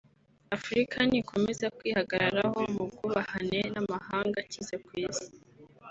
Afurika nikomeza kwihagararaho mu bwubahane n’amahanga akize ku isi